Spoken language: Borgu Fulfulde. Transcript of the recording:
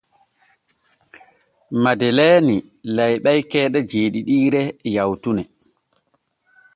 Madeleeni layɓay keeɗe jeeɗiɗiire yawtune.